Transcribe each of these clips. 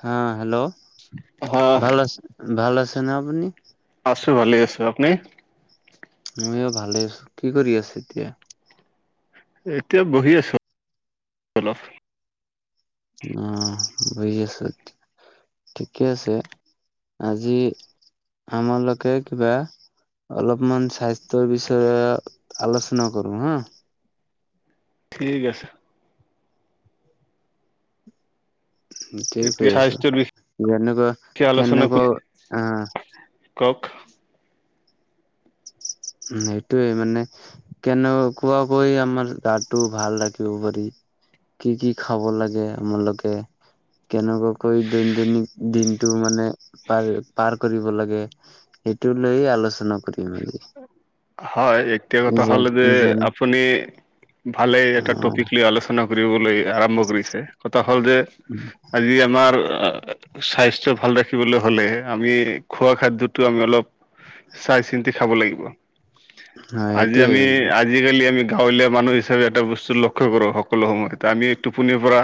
হা hello hello ভাল আছ ভাল আছে আপুনি আছোঁ ভালে আছোঁ আপুনি মইয়ো ভালে আছো কি কৰি আছা এতিয়া এতিয়া বহি আছোঁ অলপ অ বহি আছ ঠিকে আছে আজি আমালোকে কিবা অলপমান স্বাস্থ্যৰ বিছয়ে আলোচনা কৰো হা ঠিক আছে সেইটোৱে কৈ এতিয়া আছো স্বাস্থ্যৰ যেনেকুৱা বিষয়ে আলোচনা কেনেকুৱা অ কওক উম সেইটোৱে মানে কেনে কোৱাকৈ আমাৰ গাটো ভাল ৰাখিব পাৰি কি কি খাব লাগে আমালোকে কেনেকুৱাকৈ দৈনন্দিনক দিনটো মানে পাৰ পাৰ কৰিব লাগে সেইটো লৈ আলোচনা কৰিম আজি হয় এক এতিয়া কথা যেন হ'ল যে যেন আপুনি ভালে এটা অ', টপিক লৈ আলোচ- চনা কৰিবলৈ আৰম্ভ কৰিছে কথা হ'ল যে আজি আমাৰ স্বাস্থ্যয় ভাল ৰাখিবলৈ হলে আমি খোৱা খাদ্যতো আমি অলপ চাই চিন্তি খাব লাগিব হয় আজি এইটোৱে আমি আজ আজিকালি আমি গাঁৱলীয়া মানুহ হিচাপে এটা বস্তু লক্ষ্য কৰোঁ সকলো সময়ত আমি টোপনিৰ পৰা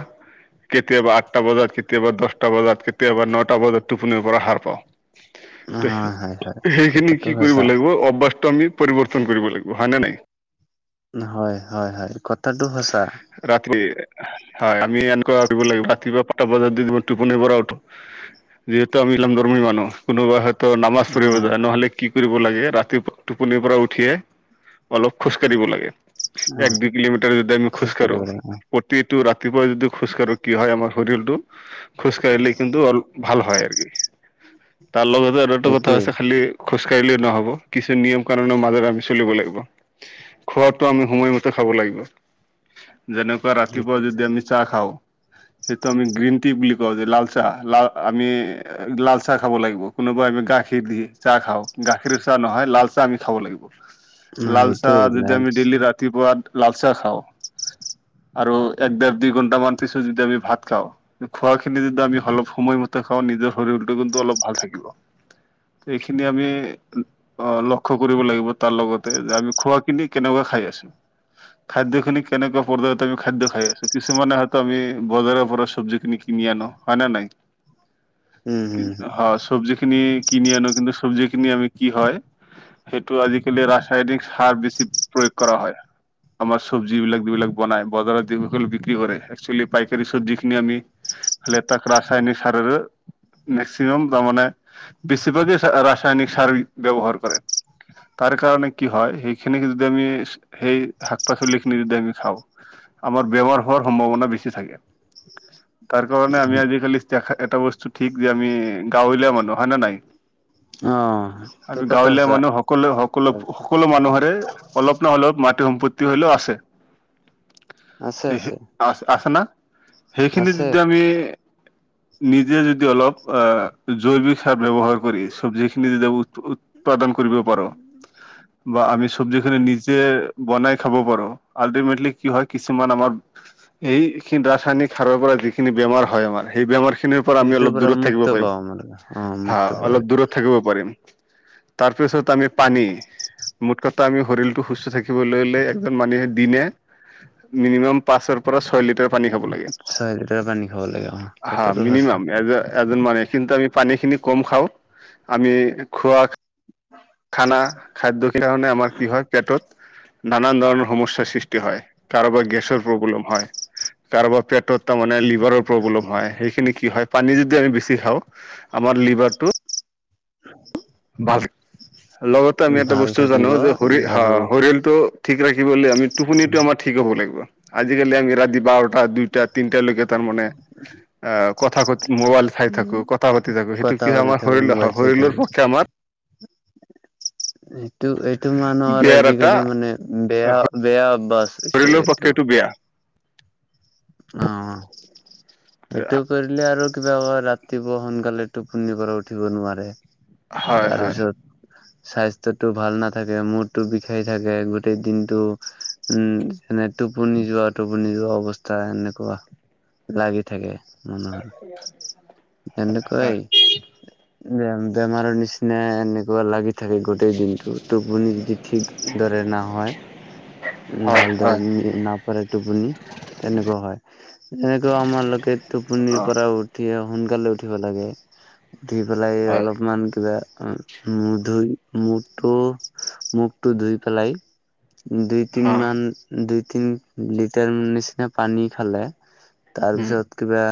কেতিয়াবা আঠটা বজাত কেতিয়াবা দহটা বজাত কেতিয়াবা নটা বজাত টোপনিৰ পৰা সাৰ পাওঁ ত হয় হয় হয় সেইখিনি কথাটো কি কৰিব সঁচা লাগি অবাস্তমি আমি পৰিৱৰ্তন কৰিব লাগিব হয়নে নাই হয় হয় হয় কথাটো সঁচা ৰাতি হয় আমি এনেকুৱা লাগিব ৰাতিপুৱা পাঁচটা বজাত যদি টোপনিৰ পৰা উঠো যিহেতু আমি ইলাম ধৰ্মী মানুহ কোনোবাই হয়তো নামাজ পঢ়িব উম যায় নহ'লে কি কৰিব লাগে ৰাতি টোপনিৰ পৰা উঠিয়ে অলপ খোজ কাঢ়িব লাগে উম এক দুই কিলোমিটাৰ যদি আমি খোজ খোজকাঢ়ো কাঢ়িব লাগে অ', প্ৰতিটো ৰাতিপুৱা যদি খোজকাঢ়ো কি হয় আমাৰ শৰীৰটো খোজকাঢ়িলে কিন্তু অল ভাল হয় আৰ গি তাৰ লগতে আৰু এটা কথা সেইটোৱে হৈছে খালি খোজ কাঢ়িলে নহ'ব কিছু নিয়ম কাণুনৰ মাজেৰে আমি চলিব লাগিব খোৱাটো আমি সময়মতে খাব লাগিব যেনেকুৱা ৰাতিপুৱা যদি আমি চাহ খাওঁ সেইটো আমি গ্ৰীণ টি বুলি কওঁ যে লালচাহ লাল আমি লাল চাহ খাব লাগিব কোনোবাই আমি গাখীৰ দি চাহ খাওঁ গাখীৰ চাহ নহয় লাল চাহ আমি খাব লাগিব অ', লাল সেইটোৱে চাহ যদি লাল আমি দেইলি ৰাতিপুৱা লাল চাহ খাওঁ আৰু এক ডেৰ দুই ঘণ্টামান পিছত যদি আমি ভাত খাওঁ খোৱাখিনি যদি আমি অলপ সময়মতে খাওঁ নিজৰ শৰীৰটো কিন্তু অলপ ভাল থাকিব ত এইখিনি আমি অ লক্ষ্য কৰিব লাগিব তাৰ লগতে যে আমি খোৱা কিনি কেনেকুৱা খাই আছো খাদ্যখিনি কেনেকুৱা পৰ্যায়ত আমি খাদ্য খাই আছো কিছুমানে হয়তো আমি বজাৰৰ পৰা চব্জিখিনি কিনি আনো হয় না নাই উম উম অ চব্জি খিনি কিনি আনো কিন্তু চব্জি খিনি আমি কি হয় সেইটো আজিকালি ৰাসায়নিক সাৰ বেছি প্ৰয়োগ কৰা হয় আমাৰ চব্জ বিলাকি যিলাক বনাই বজাৰত যিসকল বিক্ৰী কৰে একচুৱেলি পাইকাৰী চব্জিখিনি আমি লে তাক ৰাসায়নিক সাৰৰো মেক্সিমাম তাৰমানে বেছিভাগেই ৰাসায়নিক সাৰ ব্যৱহাৰ কৰে তাৰ কাৰণে কি হয় সেইখিনি যদি আমি সেই শাক পাচলিখিনি যদি আমি খাওঁ আমাৰ বেমাৰ হোৱাৰ সম্ভাৱনা বেছি থাকে তাৰ কাৰণে আমি আজিকালি দেখা এটা বস্তু ঠিক যে আমি গাঁৱলীয়া মানুহ হয়না নাই অ', সেইটো আমি কথা গাঁৱলীয়া সঁচা মানুহ সকলো সকলো সকলো মানুহৰে অলপ নহলেওঁ মাটি সম্পত্তি হলেওঁ আছে আছে সে আছে আ আছে না সেইখিনি আছে যদি আমি [unintelligible] নিজে যদি অলপ আহ জৈৱিক সাৰ ব্যৱহাৰ কৰি চব্জিখিনি যদি [unintelligible] উৎপাদান কৰিব পাৰো বা আমি চব্জি খিনি নিজে বনাই খাব পাৰো আল্টিমেটলি কি হয় কিছুমান আমাৰ এইখিনি ৰাসায়নিক সাৰৰ পৰা যিখিনি বেমাৰ হয় আমাৰ সেই বেমাৰ খিনি খিনিৰ পৰা আমি সেইটোৰ অলপ দূৰত থাকিব মুক্ত পাৰিম পাওঁ আমাৰ অ', হা মুক্ত পাওঁ অলপ দূৰত থাকিব পাৰিম তাৰপিছত আমি পানী মোঠ কটা আমি শৰীৰটো সুস্থ থাকিবলৈ'হলে মানুহে দিনে মিনিমাম পাঁচৰ পৰা ছয় লিটাৰ পানী খাব লাগে। ছয় লিটাৰ পানী খাব লাগে অ হা কথাটো মিনিমাম সচাঁ এজ এজন মানুহে কিন্তু আমি পানী খিনি কম খাওঁ আমি খোৱা খানা খাদ্য কি কাৰণে আমাৰ কি হয় পেটত নানান ধৰণৰ সমস্যাৰ সৃষ্টি হয় কাৰোবাৰ গেছৰ প্ৰব্লেম হয় কাৰোবাৰ পেটত তাৰমানে লিভ লিভাৰৰ প্ৰব্লেম হয় সেই খিনি কি হয় পানী যদি আমি বেছি খাওঁ আমাৰ লিভাৰটো [unintelligible] [unintelligible] লগতে আমি এটা ভাল বস্তু জানো থাকিব যে আৰু শৰীৰটো ঠিক ৰাখিবলৈ আমি টোপনিটো আমাৰ ঠিক হ'ব লাগিব আজিকালি আমি ৰাতি বাৰটা দুইটা তিনটা লৈকে তাৰ মানে আ কথা পাতি মোবাইল চাই থাকো কথা পাতি থাকো সেইটো কথা কি হয় পাতি আমাৰ থাকো শৰীৰৰ মোবাইল চাই শৰীৰৰ থাকো লপক্ষে আমাৰ এইটো এইটো মানুহৰ বেয়াৰ এটা আজিকালি মানে বেয়া বেয়া বাছ [unintelligible] [unintelligible] বেয়া অ অ এইটো কৰিলে আৰু কিবা ৰাতিপুৱা সোনকালে টোপনিৰ পৰা উঠিব নোৱাৰে হয় হয় তাৰপিছত [inaudible] স্বাস্থ্যটো ভাল নাথাকে মুৰটো বিষাই থাকে গোটেই দিনটো উম এনে টোপুনি যোৱা টোপুনি যোৱা অৱস্থা তাই এনেকুৱা, লাগি থাকে। উম এনেকুৱাই। বেমাৰৰ নিচিনা এনেকুৱা লাগি, থাকে গোটেই দিনটো। টোপনি যদি ঠিক দৰে নহয়, উম হয় ঢাল ধাল হয় দিনপ [unintelligible] গ'লে টোপনি তেনেকুৱা হয়। এনেইটো আমালোকে টোপনিৰ অ পৰা উ- উঠি সোনকালে উঠিব লাগে। উঠি পেলাই হয় অলপমান কিবা উম, মুখ ধুই, মুখটো মুখটো ধুই পেলাই, দুই তিন হা মান, দুই তিন লিটাৰ নিচিনা পানী খালে, উম তাৰপিছত কিবা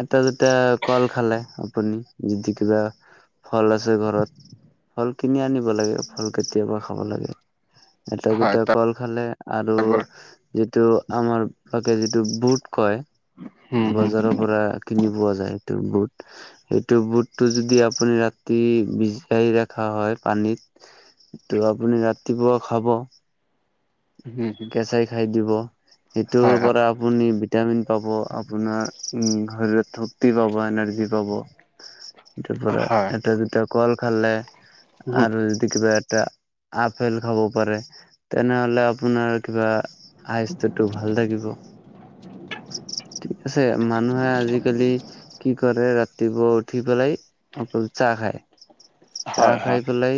এটা দুটা কল খালে আপুনি যদি কিবা, ফল আছে ঘৰত। ফল কিনি আনিব লাগে। ফল কেতিয়াবা খাব লাগে। এটা হয় দুটা তাৰ কল খালে আৰু পৰা যিটো, আমাৰ সকে যিটো বুট কয়, হম হম বজাৰৰ পৰা কিনি পোৱা যায় সেইটো বুট। সেইটো বুটটো যদি আপুনি ৰাতি ভিজাই ৰখা হয় পানীত, ত আপুনি ৰাতিপুৱা খাব। হুম হুম। চাই খাই দিব। সেইটোৰ পৰা, আপুনি ভিটামিন পাব, আপোনাৰ উম শৰীৰত শক্তি পাব, এনাৰ্জি পাব। তাৰ পৰা হয় এটা দুটা কল খালে আৰু, কিবা এটা আপেল খাব পাৰে। তেনেহলে আপোনাৰ কিবা আইচ, স্বটো ভাল থাকিব। ঠিক আছে, মানুহে আজিকালি কি কৰে ৰাতিপুৱা উঠি পেলাই অকল চাহ খায়। চাহ হয় খাই হয় পেলাই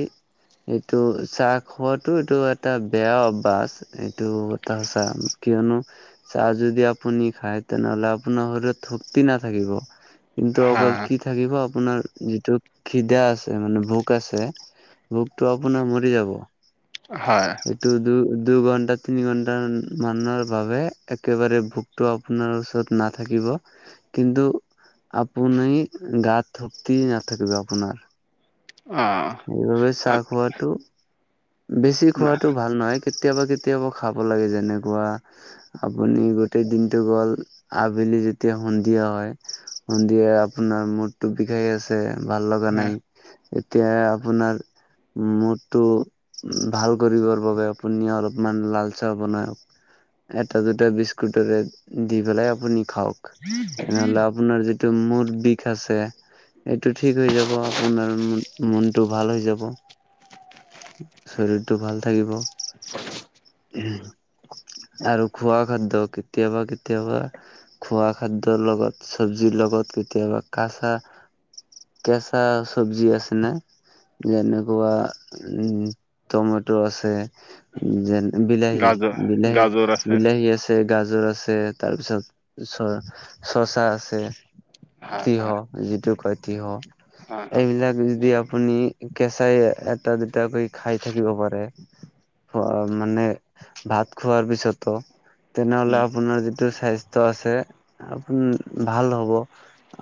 এইটো চাহ খোৱাটো এইটো এটা বেয়া অভ্যাস আছে এইটো এটা সঁচা। কিয়নো চাহ যদি আপুনি খায় তেনেহলে আপোনাৰ শৰীৰত শক্তি নাথাকিব। কিন্তু হা অকল কি থাকিব আপোনাৰ যিটো খিদা আছে মানে ভোক আছে, ভোকটো আপোনাৰ মৰি যাব। হয়। এইটো দু -দুঘণ্টা, তিনি ঘণ্টা মান- মানৰ বাবে একেবাৰে ভোকতটো আপোনাৰ ওচৰত নাথাকিব। কিন্তু আপুনি গাত শক্তিয়ে নাথাকিব আপোনাৰ। অ সেইবাবে চাহ খোৱাটো বেছি খোৱাটো ভাল নহয়। কেতিয়াবা কেতিয়াবা খাব লাগে, যেনেকুৱা আপুনি গোটেই দিনটো গ'ল আবেলি যেতিয়া সন্ধিয়া হয়, সন্ধিয়া আপোনাৰ মূডটো বিষাই আছে, ভাল লগা নাই, এতিয়া আপোনাৰ মূডটো ভাল কৰিবৰ বাবে আপুনি অলপমান লাল চাহ বনাই এটা দুটা বিস্কুটৰে দি পেলাই আপুনি খাওক। তেনেহলে আপোনাৰ য- টো মূৰ বিষ আছে। এইটো ঠিক হৈ যাব আপোনাৰ মনটো ভাল হৈ যাব। শৰীৰটো ভাল থাকিব। [inaudible] [inaudible] আৰু খোৱা খাদ্য কেতিয়াবা কেতিয়াবা, খোৱা খাদ্যৰ লগত, চব্জিৰ লগত, কেতিয়াবা কাঁচা কেঁচা চব্জি আছে না। যেনেকুৱা উম টমেট' আছে। উম, যেন বিলাহী, গাজৰ গাজৰ আছে বিলাহী-বিলাহী আছে। আছে, গাজৰ আছে, তাৰপিছত চ-চচা আছে। হয় তিয়হ, হয় যিটো কয় তিয়হ হয় হয় এইবিলাক যদি আপুনি কেঁচাই এটা দুটাকৈ খায় থাকিব পাৰে মানে ভাত খোৱাৰ পিছতো, তেনেহলে উম আপোনাৰ যিটো স্বাস্থ্য আছে আপুনি ভাল হ'ব।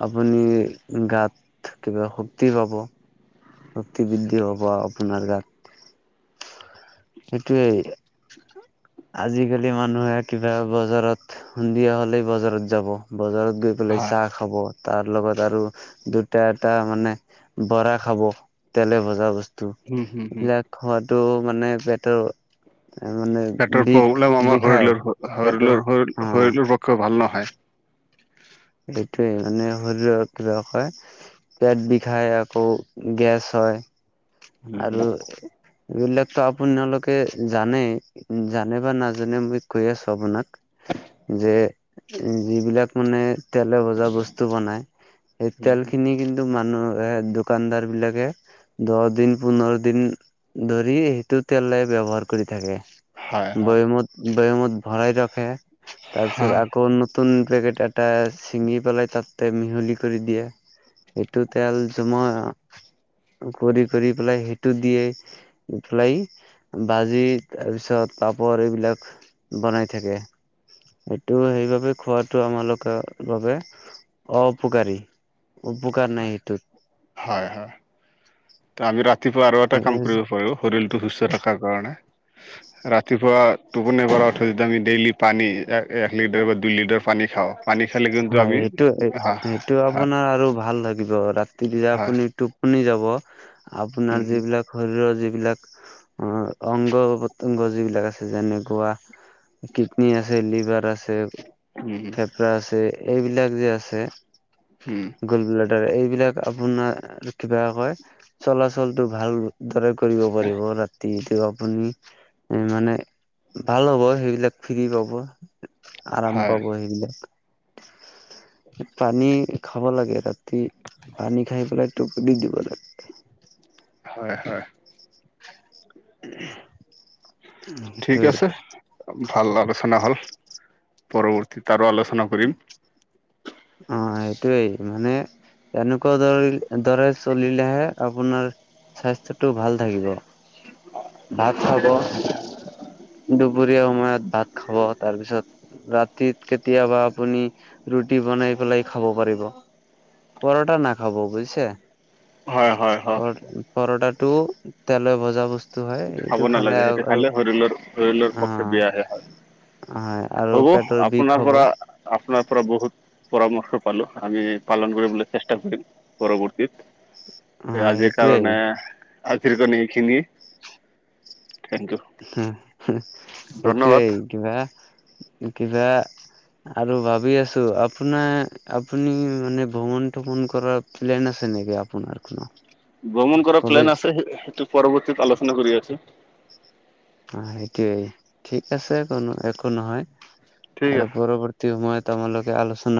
আপুনি গাত কিবা শক্তি পাব। শক্তি বৃদ্ধি হ'ব আপোনাৰ গাত। সেইটোৱেই। আজিকালি মানুহে কিবা বজাৰত সুন্ধিয়া হ'লেই বজাৰত যাব, বজাৰত গৈ বোলে হয় চাহ খাব, তাৰ লগত আৰু দুটা এটা মানে বৰা খাব। তেলে ভজা বস্তু উম হম হম এইবিলাক খোৱাতো মানে পেটৰ মানে পেটৰ বিষ প্ৰব্লেম আমাৰ বিষায় পেটৰ অ শৰীলৰ-শৰীলৰ-শৰীৰৰ পক্ষে ভাল নহয়। এইটোৱে মানে শৰীৰৰ [unintelligible] কয়। পেট বিষাই আকৌ গেছ হয় আৰু হয় এইবিলাকতো আপোনালোকে জানেই। উম, জানে বা নাজানে মই কৈ আছোঁ আপোনাক। যে যিবিলাক মানে তেলে ভজা বস্তু বনায়, সেই তেলখিনি কিন্তু কিন্তু মানুহ এ দোকানদাৰবিলাকে দহদিন পোন্ধৰদিন ধৰি সেইটো তেলে ব্যৱহাৰ কৰি থাকে। হয় হয় বৈয়ামত বৈয়ামত ভৰাই ৰখে হা, তাৰপিছত আকৌ নতুন নতুন পেকেট এটা ছিঙি পেলাই তাতে মিহলি কৰি দিয়ে, এইটো তেল তোমা কৰি কৰি পেলাই সেইটো দিয়ে। উফেলাই বাজি তাৰপিছত পাপৰ এইবিলাক বনাই থাকে, সেইটো সেইবাবে খোৱাটো আমালোকে বাবে অপকাৰী, উপকাৰ নাই সেইটোত। হয়, হয়। ত' আমি ৰাতিপুৱা আৰু এটা কাম কৰিব পাৰোঁ শৰীৰটো সুস্থ ৰখাৰ কাৰণে। ৰাতিপুৱা টোপনি পৰাৰ উঠ যেতিয়া আমি ডেইলি পানী এক লিটাৰ বা দুই লিটাৰ পানী খাওঁ। পানী খালে কিন্তু হয় আমি সেইটো, হা সেইটো হা আপোনাৰ আৰু ভাল লাগিব ৰাতি যেতিয়ায়া হয় আপুনি টোপনি যাব, উম আপোনাৰ হুম যিবিলাক শৰীৰৰ যিবিলাক অ-অংগ পতংগ যিবিলাক আছে যেনে কোৱা কিডনী আছে, লিভাৰ আছে। উম', উম'। এটা আছে, এইবিলাক যে আছে। উম। গোলবাডাৰ এইবিলাক আপোনাৰ কিবা কয়। চলাচলটো ভাল দৰে কৰিব পাৰিব ৰাতিটো আপুনি। মানে ভাল হ'ব, সেইবিলাক ফ্ৰী পাব, আৰাম হয় পাব সেইবিলাক। পানী খাব লাগে ৰাতি পানী খায় পেলাই টোপনি পেলাই দিব লাগে। হয়, হয়। [unintelligible] [inaudible] ঠিক সেইটোৱে আছে ভাল আলোচনা হল পৰৱৰ্তী তাৰো আলোচনা। কৰিম অঁ, এইটোৱেই মানে তেনেকুৱা দৰে দৰে চলিলেহে আপোনাৰ, স্বাস্থ্যটো ভাল থাকিব ভাত খাব। দুপৰীয়া সময়ত ভাত খাব তাৰ পিছত ৰাতিত কেতিয়াবা। আপুনি ৰুটি বনাই পেলাই খাব পাৰিব। পৰঠা নাখাব বুজিছে? হয় হয় হয় পৰটা টো তেলে ভজা বস্তু। হয় সেইটো খাব এইটো খালে নালাগে সেইটো আৰু খালে শৰীৰৰ শৰীৰৰ অ পক্ষে বিয়াহে হয়। হয় আৰু হ'ব পেটৰ বিষ আপোনাৰ হব পৰা। আপোনাৰ পৰা বহুত পৰামৰ্শ পালো আমি পালন কৰিবলৈ চেষ্টা কৰিম পৰৱৰ্তীত। অ এয়া আজিৰ সেইটোৱেই কাৰণে আজিৰ কাৰণে এইখিনি। টেংকিউ। সেইটোৱেই কিবা কিবা। আৰু ভাবি আছো আপোনাৰ আপুনি মানে ভ্ৰমণ থমন কৰা। প্লেন আছে নেকি আপোনাৰ কোনো? ভ্ৰমণ কৰা প্লেন কলেজ আছে সেইটো পৰৱৰ্তীত আলোচনা কৰি আছোঁ। অঁ, সেইটোৱেই ঠিক আছে কো একো নহয় ঠিক আৰু আছে। পৰৱৰ্তী। মই তোমালোকে আলোচনা